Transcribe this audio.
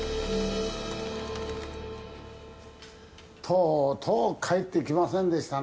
とうとう帰ってきませんでした